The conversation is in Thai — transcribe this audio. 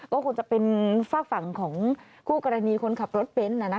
ก็คงจะเป็นฝากฝั่งของคู่กรณีคนขับรถเบนท์